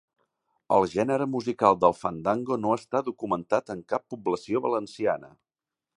El gènere musical del fandango no està documentat en cap població valenciana.